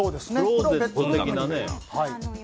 クローゼット的なね。